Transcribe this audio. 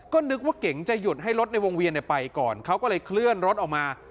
ก็นึกว่าเก๋งจะหยุดให้รถในวงเวียนไปก่อนเขาก็เลยเคลื่อนรถออกมา